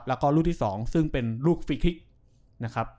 แล้วก็รูปที่๒ซึ่งเป็นฟิกฮิก